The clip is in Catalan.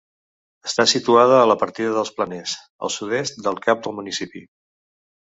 Està situada a la partida dels Planers, al sud-est del cap del municipi.